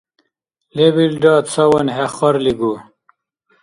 Лебилра цаван хӀехарлигу.